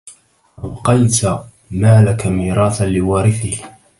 أبقيت مالك ميراثا لوارثه